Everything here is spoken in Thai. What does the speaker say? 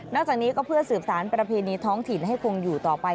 จากนี้ก็เพื่อสืบสารประเพณีท้องถิ่นให้คงอยู่ต่อไป